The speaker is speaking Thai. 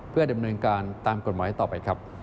เพื่อเดินเคลื่อนการตามกฎหมายให้ต่อไปครับ